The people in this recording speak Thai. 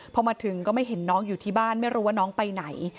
พอมาถึงก็ไม่เห็นน้องอยู่ที่บ้านไม่รู้ว่าน้องไปไหน